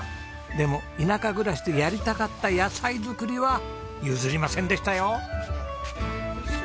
でも田舎暮らしでやりたかった野菜作りは譲りませんでしたよ。